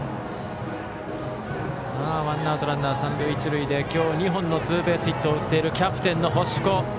ワンアウトランナー、一塁三塁できょう２本のツーベースヒットを打っているキャプテンの星子。